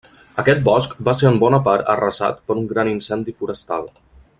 Aquest bosc va ser en bona part arrasat per un gran incendi forestal.